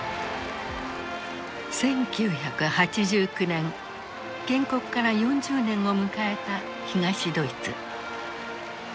１９８９年建国から４０年を迎えた東ドイツ。